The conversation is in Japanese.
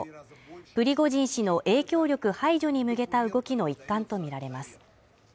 プリゴジン氏の影響力排除に向けた動きの一環とみられます。